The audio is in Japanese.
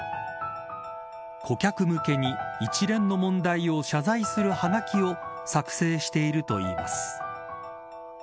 顧客向けに一連の問題を謝罪するはがきを作成しているといいます。